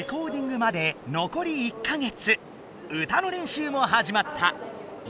歌の練習もはじまった。